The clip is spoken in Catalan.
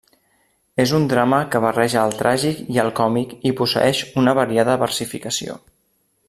És un drama que barreja el tràgic i el còmic i posseïx una variada versificació.